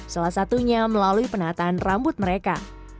salah satunya melalui penataan rambut mereka